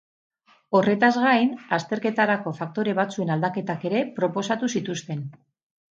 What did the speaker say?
Horretaz gain, azterketarako faktore batzuen aldaketak ere proposatu zituzten.